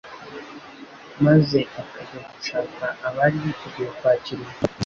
maze akajya gushaka abari biteguye kwakira ubutumwa bw’ijuru.